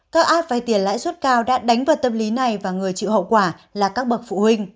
các app vay tiền lãi suất cao đã đánh vào tâm lý này và người chịu hậu quả là các bậc phụ huynh